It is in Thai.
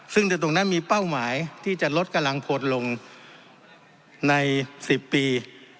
ซึ่งตรงนั้นมีเป้าหมายที่จะลดกำลังพลลงใน๑๐ปี